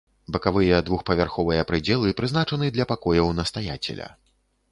Бакавыя двухпавярховыя прыдзелы прызначаны для пакояў настаяцеля.